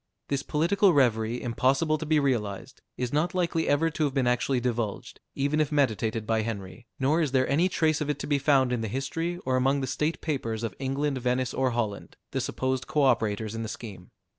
This political reverie, impossible to be realized, is not likely ever to have been actually divulged, even if meditated by Henry, nor is there any trace of it to be found in the history, or among the state papers of England, Venice, or Holland, the supposed co operators in the scheme.